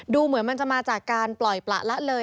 ดูเหมือนมันจะมาจากการปล่อยประละเลย